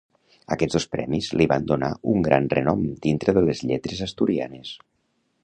Aquests dos premis li van donar un gran renom dintre de les lletres asturianes.